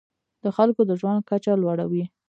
د خلکو د ژوند کچه لوړوي.